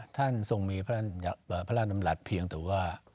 ท่านทรงมีพระราชดำรัฐเพียงแต่ว่า